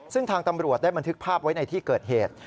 ซึ่งทางตำรวจได้บันทึกภาพไว้ในที่เกิดเหตุ